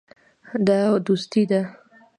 دا دوستي ده.